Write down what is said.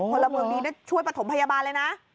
พลเมืองดีได้ช่วยประถมพยาบาลเลยนะ